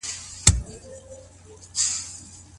خاوند به د ميرمني سره څنګه چلند کوي؟